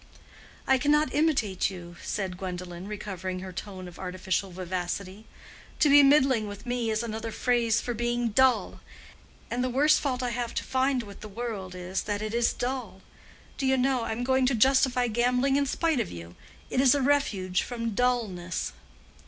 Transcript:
"I cannot imitate you," said Gwendolen, recovering her tone of artificial vivacity. "To be middling with me is another phrase for being dull. And the worst fault I have to find with the world is that it is dull. Do you know, I am going to justify gambling in spite of you. It is a refuge from dullness."